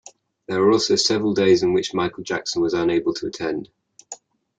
There were also several days in which Michael Jackson was unable to attend.